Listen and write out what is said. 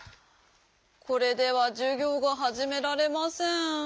これではじゅぎょうがはじめられません。